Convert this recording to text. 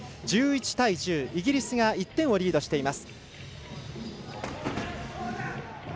イギリスが１点をリードしています。